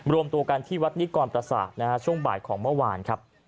รวมตัวกันที่วัดนิกรประสาทช่วงบ่ายของเมื่อวานครับ